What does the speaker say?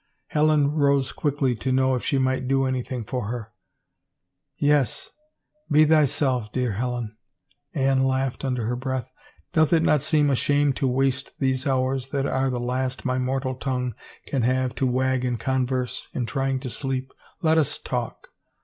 Helen rose quickly to know if she might do anything for her. " Yes, be thyself, dear Helen," Anne laughed under her breath. " Doth it not seem a shame to waste these hours that are the last my mortal tongue can have to wag in converse, in trying to sleep ? Let us talk.